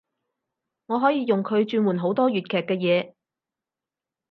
我可以用佢轉換好多粵劇嘅嘢